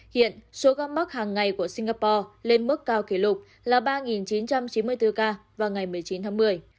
hiện số ca mắc hàng ngày của singapore lên mức cao kỷ lục là ba chín trăm chín mươi bốn ca vào ngày một mươi chín tháng một mươi